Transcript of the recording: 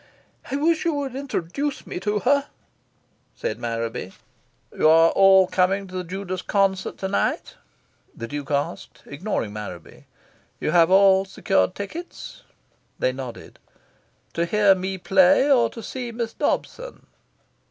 "I wish you would introduce me to her," said Marraby. "You are all coming to the Judas concert tonight?" the Duke asked, ignoring Marraby. "You have all secured tickets?" They nodded. "To hear me play, or to see Miss Dobson?"